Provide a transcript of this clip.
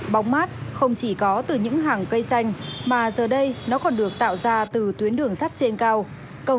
bóng mát không chỉ có từ những hàng cây xanh mà giờ đây nó còn được tạo ra từ tuyến đường sắt trên cao